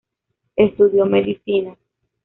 Estudió medicina.